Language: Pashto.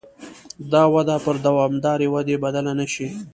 دا وده پر دوامدارې ودې بدله نه شي.